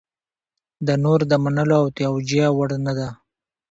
دا نور د منلو او توجیه وړ نه ده.